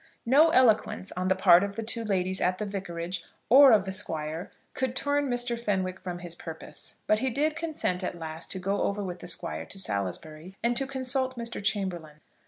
No eloquence on the part of the two ladies at the vicarage, or of the Squire, could turn Mr. Fenwick from his purpose, but he did consent at last to go over with the Squire to Salisbury, and to consult Mr. Chamberlaine.